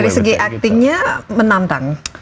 segi actingnya menantang